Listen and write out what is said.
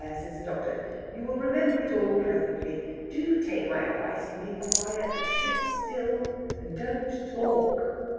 says the doctor; "you will remember it all presently. Do take my advice and be quiet, and sit still and don't talk."